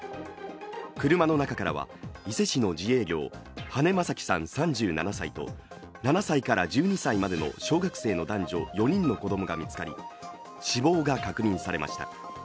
車の中からは伊勢市の自営業、羽根正樹さん３７歳と７歳から１２歳までの小学生の男女４人の子供が見つかり、死亡が確認されました。